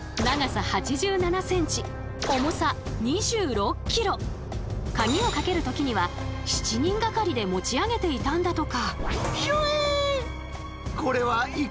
こちらは鍵をかける時には７人がかりで持ち上げていたんだとか。